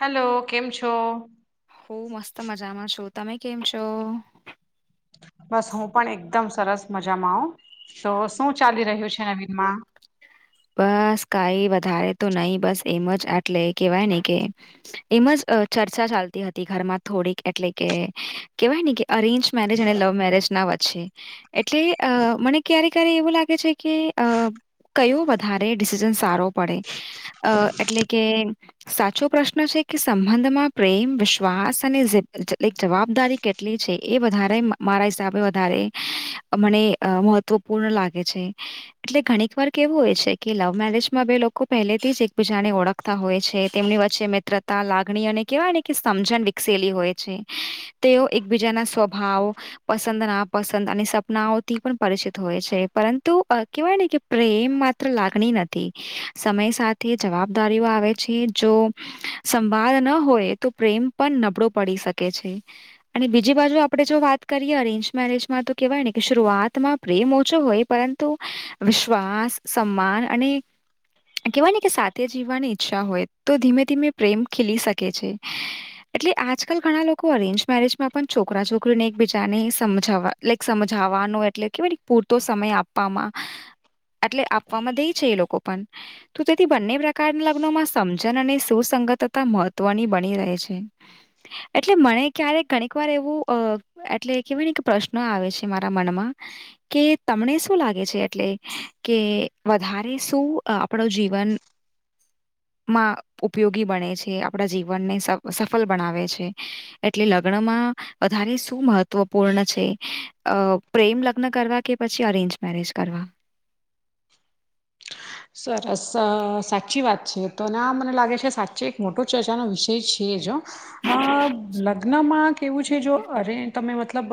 Hello કેમ છો હું મસ્ત મજામાં છું તમે કેમ છો બસ હું પણ એકદમ સરસ મજામાં આવ તો શું ચાલી રહ્યું છે નવીન માં બસ કઈ વધારે તો નહીિ બસ એમ જ આટલે કેવાય ને કે એમ જ ચર્ચા ચાલતી હતી ઘરમાં થોડીક એટલે કે કેવાય ને કે અરેન્જ મેરેજ અને લવ મેરેજ ના વચ્ચે એટલે અ મને ક્યારે ક્યારે એવું લાગે છે કે અ કયો વધારે ડિસિઝન સારો પડે અ એટલે કે સાચો પ્રશ્ન છે કે સંબંધમાં પ્રેમ વિશ્વાસ અને જવાબદારી કેટ છે એ વધ મારા હિસાબે વધારે મને મહત્વપૂર્ણ લાગે છે એટલે ઘણીક વાર કેવું હોય છે કે લવ મેરેજમાં બે લોકો પહેલેથી જ એકબીજાને ઓળખતા હોય છે તેમની વચ્ચે મિત્ર લાગણી અને કેવાય ને કે સમજણ વિકસેલી હોય છે તેઓ એકબીજાના સ્વભાવ પસંદ ના પસંદ અને સપનાઓથી પણ પરિચિત હોય છે પરંતુ કેહેવાય ને કે પ્રેમમાં લાગણી નથી સમય સાથે જવાબદારીઓ આવે છે જો સંવાદ ન હોય તો પ્રેમ પણ નબળો પડી શકે છે અને બીજી બાજુ આપણે જો વાત કરીએ અરેન્જ મેરેજમાં તો કેહેવાય ને કે શરૂઆતમાં પ્રેમ ઓછો હોય પરંતુ વિશ્વાસ સન્માન અને કેવાય ને કે સાથે જીવવાની ઈચ્છા હોય તો ધીમે ધીમે પ્રેમ ખીલી શકે છે એટલે આજકાલ ઘણા લોકો અરેન્જ મેરેજમાં પણ છોકરા છોકરીને એકબીજાને સમજાવવા લાઈક સમજાવાનો એટલે કે પૂરતો સમય આપવામાં એટલે આપવામાં દે છે એ લોકો પણ તો તેથી બંને પ્રકારના લગ્નોમાં સમજન અને સુસંગતતા મહત્વની બની રહે છે એટલે મને ક્યારે ઘણીક વાર એવું અ એટલે કેવાય ને કે પ્રશ્નો આવે છે મારા મનમાં કે તમને શું લાગે છે એટલે કે વધારે શું આપણો જીવન માં ઉપયોગી બને છે આપણા જીવનને સ સફળ બનાવે છે એટલે લગ્ન માં વધારે શું મહત્વપૂર્ણ છે પ્રેમ લગ્ન કરવા કે પછી અરેન્જ મેરેજ કરવા [inaudible] સરસ સાચી વાત છે તો અનેને આ મને લાગે છે સાચે એક મોટો ચર્ચાનો વિષય છે જો અ લગ્નમાં કેવું છે જો અરે તમે મતલબ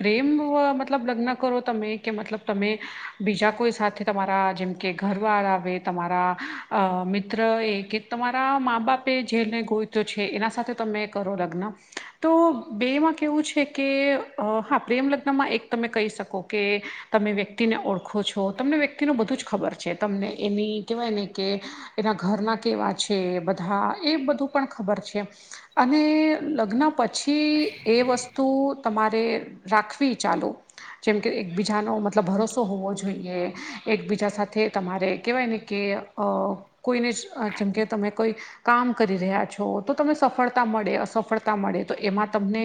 પ્રેમ મતલબ લગ્ન કરો તમે કે મતલબ તમે બીજા કોઈ સાથે તમારા જેમ કે ઘરવાર આવે તમારા મિત્ર એ કે તમારા મા બાપે એ જેને કોઈ તો છે એના સાથે તમે કરો લગ્ન તો બેમાં કેવું છે કે હા પ્રેમ લગ્નમાં એક તમે કહી શકો કે તમે વ્યક્તિને ઓળખો છો તમને વ્યક્તિને બધું જ ખબર છે તમને એની કેવાય ને કે એના ઘરના કેવા છે બધા એ બધું પણ ખબર છે અને લગ્ન પછી એ વસ્તુ તમારે રાખવી ચાલો જેમકે એકબીજાનો મતલબ ભરોસો હોવો જોઈએ એકબીજા સાથે તમારે કેવાય ને કે કોઈને જ જેમ કે તમે કોઈ કામ કરી રહ્યા છો તો તમને સફળતા મળે અસફળતા મળે તો એમાં તમને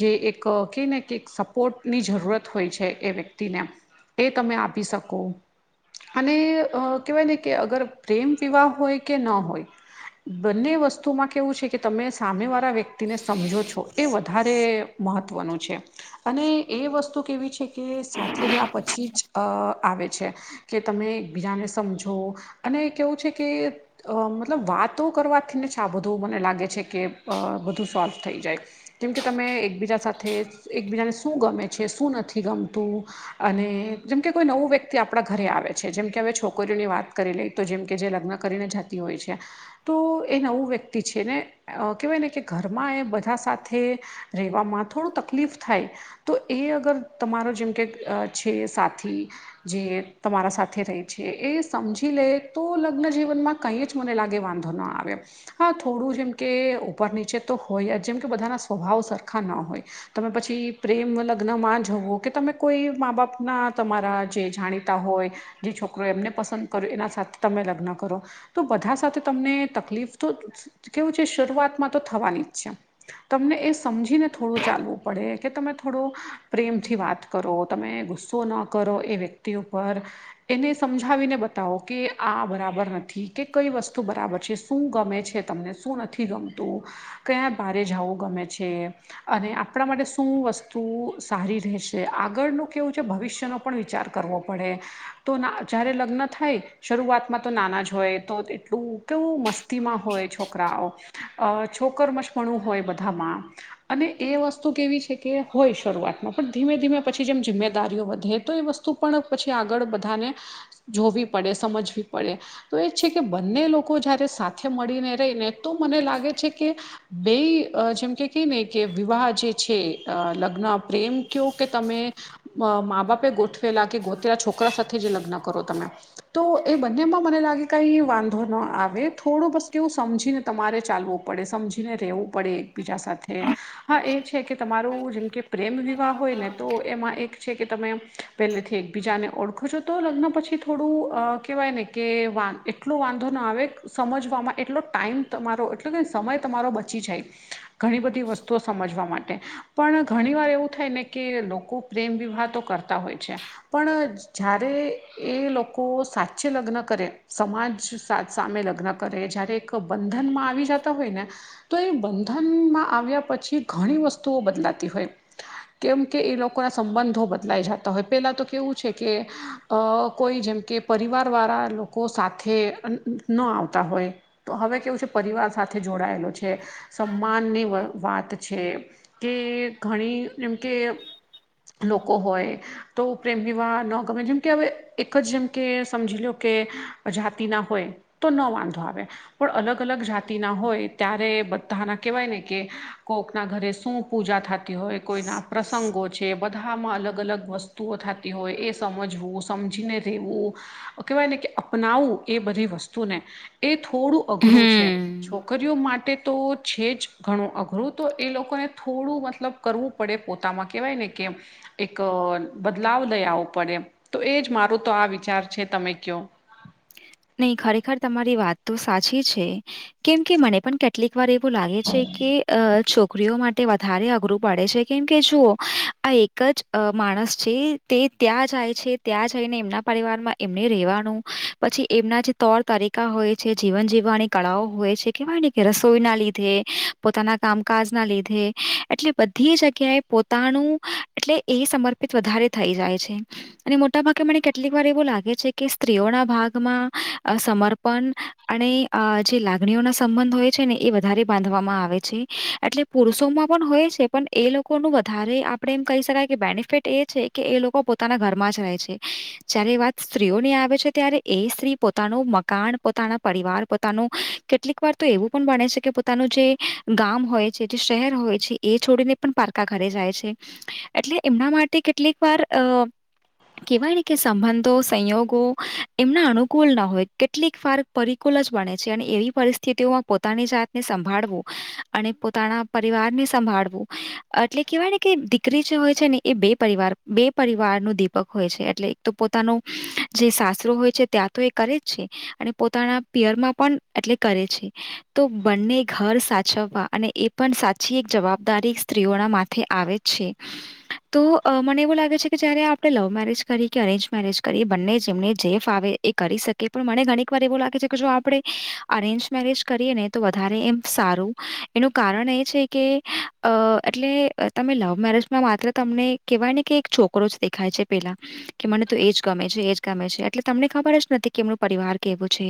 જે એક કે ને કે સપોર્ટ ની જરૂરત હોય છે એ વ્યક્તિને એ તમે આપી શકો અને અ કેવાય ને કે અગર પ્રેમ વિવાહ હોય કે ના હોય બંને વસ્તુમાં કેવું છે કે તમે સામે વાળા વ્યક્તિને સમજો છો એ વધારે મહત્ત્વનું છે અને એ વસ્તુ કેવી છે કે સા થેરિયા પછી જ અ આવે છે કે તમે એકબીજાને સમજો અને કેવું છે કે અ મતલબ વાતો કરવાથી ને છે આ બધું મને લાગે છે કે બધું સોલ્વ થઈ જાય કેમ કે તમે એકબીજા સાથે એકબીજાને શું ગમે છે શું નથી ગમતું અને જેમકે કોઈ નવો વ્યક્તિ આપડા ઘરે આવે છે જેમ કે હવે છોકરીઓની વાત કરી લઈ તો જેમ કે જે લગ્ન કરીને જતી હોય છે તો એ નવું વ્યક્તિ છે ને કેવાય ને કે ઘરમાં એ બધા સાથે રેવામાં થોડું તકલીફ થાય તો એ અગર તમારો જેમ કે છે સાથી જે તમારા સાથે રહી છે એ સમજી લે તો લગ્નજીવનમાં કંઈ જ મને લાગે વાંધો ન આવે હા થોડું જેમ કે ઉપર નીચે તો હોય જેમ કે બધાના સ્વભાવ સરખા ના હોય તમે પછી પ્રેમ લગ્નમાં જવો કે તમે કોઈ મા બાપના તમારા જે જાણી હોય જે છોકરોય એમને પસંદ કર્યો એના સાથે તમે લગ્ન કરો તો બધા સાથે તમને તકલીફ તો કેવું છે શરૂઆતમાં તો થવાની જ છે તમને એ સમજીને થોડું ચાલવું પડે કે તમે થોડો પ્રેમથી વાત કરો તમે ગુસ્સો ના કરો એ વ્યક્તિ ઉપર એને સમજાવીને બતાવો કે આ બરાબર નથી કે કઈ વસ્તુ બરાબર છે શું ગમે છે તમને શું નથી ગમતું કયા બારે જાવું ગમે છે અને આપડા માટે શું વસ્તુ સારી રહેશે આગળનું કેવું છે ભવિષ્યનો પણ વિચાર કરવો પડે તો જ્યારે લગ્ન થાય શરૂઆતમાં તો નાના જ હોય તો એટલું કેવું મસ્તીમાં હોય છોકરાઓ છોકર મશમણું હોય બધામાં અને એ વસ્તુ કેવી છે કે હોય શરૂઆતમાં પણ ધીમે ધીમે પછી જેમ જિમ્મેદારીઓ વધે તો એ વસ્ તુ પણ પછી આગળ બધાને જોવી પડે સમજવી પડે તો એ છે કે બંને લોકો જયારે સાથે મળીને રેય ને તો મને લાગે છે કે બેય જેમ કે કહી ને કે વિવાહ જે છે લગ્ન પ્રેમ કયો કે તમે મા બાપે ગોઠવેલા કે ગોતેલા છોકરા સાથે જે લગ્ન કરો તમે તો એ બંનેમાં મને લાગે કઈ વાંધો ન આવે થોડું બસ કેવું સમજી ને તમારે ચાલવું પડે સમજીને રહેવું પડે એકબીજા સાથે એ હા એ છે કે તમારું જેમ કે પ્રેમ વિવાહ હોય ને તો એમાં એક છે કે તમે પહેલેથી એકબીજાને ઓળખો છો તો લગ્ન પછી થોડું કહેવાય ને કે વા એટલો વાંધો ના આવે. સમજવામાં એટલો ટાઈમ તમારો એટલો કે સમય તમારો બચી જાય. ઘણી બધી વસ્તુઓ સમજવા માટે. પણ ઘણી વાર એવું થાય ને કે લોકો પ્રેમ વિવાહ તો કરતા હોય. છે પણ જ્યારે એ લોકો સાચે લગ્ન. કરે સમાજ સામે લગ્ન કરે જયારે એક બંધન માં આવી જતા હોય ને. તો એ બંધનમાં આવ્યા પછી ઘણી વસ્તુઓ બદલાતી હોય. કેમ કે એ લોકો ના સંબંધો બદલાય જતા. તો હવે પહેલાં તો કેવું છે કે કોઈ જેમ કે પરિવારવાળા લોકો સાથે. ન આવતા હોય તો હવે કેવું છે પરિવાર સાથે જોડાયેલો છે. સમાનની વાત છે કે ઘણી એમ કે. લોકો હોય. તો પ્રેમ વિવાહ ન ગમે જેમ કે હવે એક જ જેમ કે સમજી લો કે જાતિ ના હોય. તો ન વાંધો આવે. પણ અલગ અલગ જાતિના હોય ત્યારે બધાના કહેવાય ને કે કોકના ઘરે શું. પૂજા થતી હોય કોઈના પ્રસંગો છે બધામાં અલગ અલગ. વસ્તુઓ થતી હોય એ સમજવું સમજીને રહેવું. કહેવાય ને કે અપનાવું એ બધી વસ્તુને એ થોડું અઘરું છે. હમ છોકરીઓ માટે તો છે જ ઘણું અઘરું તો એ લોકોને થોડું મતલબ. કરવું પડે પોતામાં કહેવાય ને કે એક. બદલાવ દઈ આવવો પડે તો એજ મારું તો આ વિચાર છે તમે કયો. નહી ખરેખર તમારી વાત તો સાચી છે કેમ કે મને પણ કે. કેટલીક વાર એવું લાગે છે કે છો. છોકરીઓ માટે વધારે અઘરું પડે છે કેમકે જુઓ આ એક જ માણસ છે. તે ત્યાં જાય છે ત્યાં જઈને એમના પરિવારમાં એમને રેવાનું. પછી એમના જે તર તરીકા હોય છે જીવન જીવવાની કળાઓ હોય છે કેવાય ને કે રસોઈના લીધે. પોતાના કામકાજ ના લીધે એટલે બધી જગ્યાએ પોતાનું. એટલે એ સમર્પિત વધારે થઈ જાય છે. અને મોટાભાગે મને કેટલીક વાર એવું લાગે છે કે સ્ત્રીઓના ભાગ. સમર્પણ અને જે લાગણીઓ ના સંબંધ હોય છે ને એ વધારે બાંધવામાં આવે છે. એટલે પુરુષોમાં પણ હોય છે પણ એ લોકો ન વધારે આપ એમ કહી શકાય કે બેનફિટ. એ છે કે એ લોકો પોતાના ઘરમાં જ રહે છે જયારે એ વાત સ્ત્રીઓની આવે છે ત્યારે. એ સ્ત્રી પોતાનું મકાન પોતાના પરિવાર પોતાનું કેટલીક વાર તો એવું પણ ભણે છે કે. પોતાનું જે ગામ હોય છે જે શહેર હોય છે એ છોડીને પણ પારકા ઘરે જાય છે. એટલે એમના માટે કેટલીક વાર અ. કવાય કે સંબંધો સંયોગો. એમના અનુકૂળ ના હોય કેટલીક ફર પરિકુલ જ બને છે અને એવી પરિસ્થિતિઓમાં. પોતાની જાતને સંભાળવું અને પોતાના પરિવાર ને સંભાળવું. એટલે કેહેવાય ને કે દીકરી જે હોય છે ને એ બે પરિવાર બે પરિવાર નું દીપક હોય છે એટલે. તો પોતાનું જે. રો હોય છે ત્યાં તો એ કરે જ છે અને પોતાના પિયરમાં પણ એટલે કરે છે. તો બંને ઘર સાચવવા અને એ પણ સાચી એક જવાબદારી સ્ત્રીઓના માથે આવે. પ છેી. તો મને એવું લાગે છે કે જયારે આપણે લવ મેરેજ કરી કે અરેન્જ મેરેજ કરીએ બંને જેમને. જેફ આવે એ કરી શકે પણ મને ઘણીક વાર એવું લાગે છે કે જો આપણે અરેન્જ મેરેજ કરીએ ને. તો વધારે એમ સારું એનું કારણ એ છે કે અ એટલે. તમે લવ મેરેજમાં માત્ર તમને કેહેવાય ને કે એક છોકરો જ દેખાય છે પેલા. કે મને તો એજ ગમે છે એજ ગમે છે. એટલે તમને ખબર જ નથી કે એમનું પરિવાર કેવ છે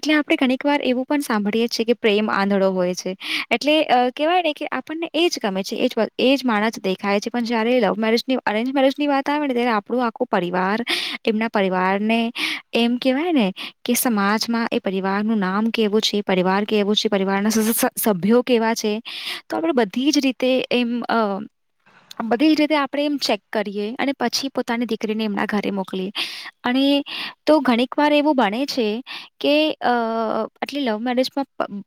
એટલે આપણે ઘણીક વાર એવું પણ સાંભળીએ છીએ કે. પ્રેમ આંધળો હોય છે એટલે કેહેવાય કે આપણને એજ ગમે છે એજ. એ જ માણસ દેખાય છે પણ જયારે લવ મેરેજ ની અરેન્જ મેરેજ ની વાત આવે ને ત્યારે આપણું આખું પરિવાર એમના પરિવાર એમ કેવાય ને કે સમાજમાં એ પરિવાર નું નામ કેવું છે પરિવાર કેવું છે પરિવારના સભ્યો કેવા છે તો આપડ બધી જ રીતે તે એમ અ બધી જ રીતે આપણે એમ ચેક કરીએ અને પછી પોતાની દીકરીને એમના ઘરે મોકલીએ અને તો ઘણીક વાર એવું બને છે કે અ આટલી લવ મેરેજમાં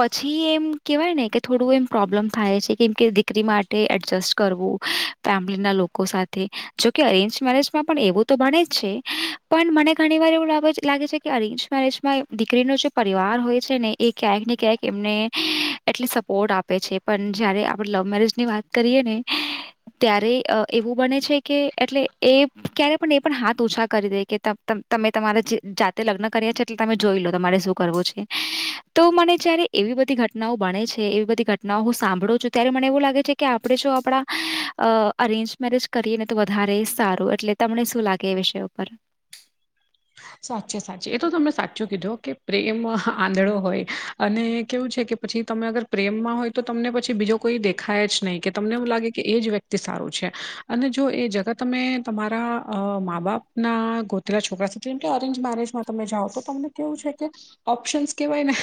પછી એમ કેહેવાય ને કે થોડું એમ પ્રોબ્લેમ થાય છે કેમ કે દીકરી માટે એડજસ્ટ કરવું ફેમિલીના લોકો સાથે જોકે અરેન્જ મેરેજમાં પણ એવું તો બને જ છે પણ મને ઘણી વાર એવું લાગે છે કે અરેન્જ મેરેજમાં દીકરીનો જે પરિવાર હોય છે ને એ ક્યાંક ને ક્યાંક એમને એટલી સપોર્ટ આપે છે પણ જયારે આપણે લવ મેરેજ ની વાત કરીએ ને ત્યારે એવું બને છે કે એટલે એ ક્યારે પણ એ પણ હાથ ઓછા કરી દે કે તમે તમારે જે જાતે લગ્ન કર્યા છે એટલે તમે જોઈ લો તમારે શું કરવું છે તો મને જયારે એવી બધી ઘટનાઓ બણે છે એવી બધી ઘટનાઓ હું સાંભળું છું ત્યારે મને એવું લાગે છે કે આપણે જો આપણા અરેન્જ મેરેજ કરીએ ને તો વધારે સારું એટલે તમને શું લાગે એ વિષ પર સાચી સાચી એ તો તમને સાચું કીધું કે પ્રેમ આંધળો હોય અને કેવું છે કે પછી તમે અગર પ્રેમમાં હોય તો તમને પછી બીજો કોઈ દેખાય જ નહીં કે તમને એવું લાગે કે એ જ વ્યક્તિ તે સારું છે અને જો એ જગા તમે તમારા મા બાપના ગોતેલા છોકરા સાથે જેમ કે અરેન્જ મેરેજમાં તમે જાઓ તો તમને કેવું છે કે ઓપ્શન્સ કેહેવાય ને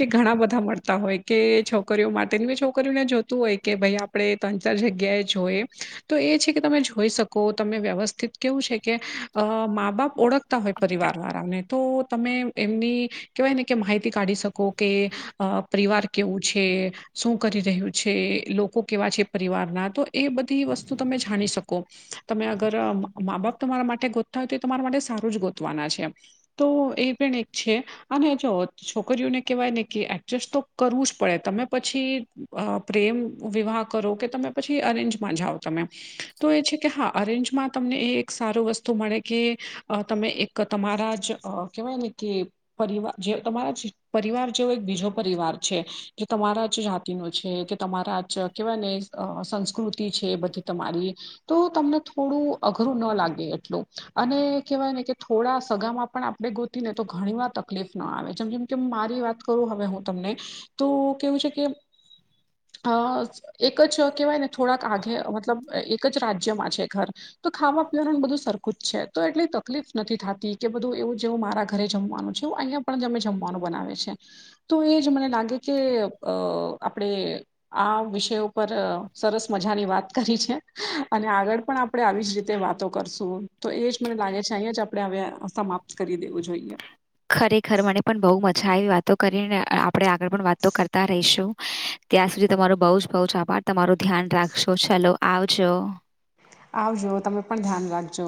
કે ઘણા બધા મળતા હોય કે છોકરીઓ માટે મે છોકરીઓને જો હોય કે ભાઈ આપણે ત્રણ ચાર જગ્યાએ જોઈએ તો એ છે કે તમે જોઈ શકો તમને વ્યવસ્થિત કેવું છે કે અ મા બાપ ઓળખતા હોય પરિવાર વાળાને તો તમે એમની કહેવાય ને કે માહિતી કાઢી શકો કે પરિવાર કેવું છે શું કરી રહ્યું છે લોકો કેવા છે પરિવારના તો એ બધી વસ્તુ તમે જાણી શકો તમે અગર મા બાપ તમારા માટે ગોતતા હોય તો તો તમારા માટે સારું જ ગોતવાના છે તો એ પણ એક છે અને જો છોકરીઓને કેહેવાય ને કે એડજસ્ટ તો કરવું જ પડે તમે પછી પ્રેમ વિવાહ કરો કે તમે પછી અરેન્જમાં જાઓ તમે તો એ છે કે હા અરેન્જમાં તમને એ એક સારું વસ્તુ મળે કે અ તમે એક તમારા જ કહેવાય ને કે પરિવાર જે તમારા પરિવાર જેવો એક બીજો પરિવાર છે જે તમારા જ જાતિનો છે કે તમારા જ કેવાય ને સંસ્કૃતિ છે એ બધી તમારી તો તમને થોડું અઘરું ના લાગે એટલું અને કવાય ને કે થોડા સગામાં પણ આપણે ગોતીને તો ઘણી વાર તકલીફ ના આવે જેમ જેમ કે મારી વાત કરું હવે હું તમને તો કેવું છે કે અ એક જ કેહેવાય ને થોડાક આગે મતલબ એક જ રાજ્યમાં છે ઘર તો ખાવા પીવાનું બધું સરખું જ છે તો એટલી તકલીફ નથી થતી કે બધું એવું જેવું મારા ઘરે જમવાનું છે અહિયાંયા પણ જમે જમવાનું બનાવે છે તો એ જ મને લાગે કે અ આપણે આ વિષયો પર સરસ મજાની વાત કરી છે અને આગળ પણ આપ આપણેે આવી જ રીતે વાતો કરશું તો એ જ મને લાગે છે અહીંયા જ આપણે હવે સમાપ્ત કરી દેવું જોઈએ ખરેખર મને પણ બહુ મજા આવી વાતો કરીને આપણેે આગળ પણ વાતો કરતા રહીશું ત્યાં સુધી તમારું બઉ જ બઉ છ આપ તમારું ધ્યાન રાખશો ચાલો આવજો આવજો તમે પણ ધ્યાન રાખજો